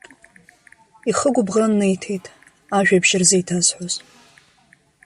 Ихы гәыбӷан неиҭеит, ажәабжь рзеиҭазҳәоз.